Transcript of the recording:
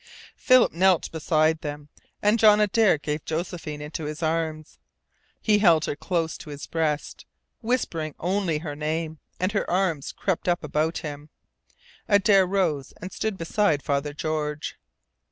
Philip knelt beside them, and John Adare gave Josephine into his arms. He held her close to his breast, whispering only her name and her arms crept up about him. Adare rose and stood beside Father George.